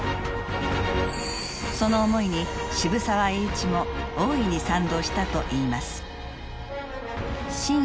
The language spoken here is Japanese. その思いに渋沢栄一も大いに賛同したといいます。